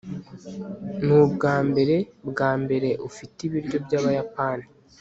nubwambere bwambere ufite ibiryo byabayapani